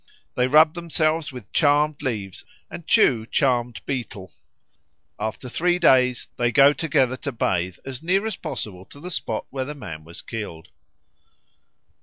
They rub themselves with charmed leaves and chew charmed betel. After three days they go together to bathe as near as possible to the spot where the man was killed.